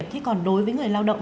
cái còn đối với người lao động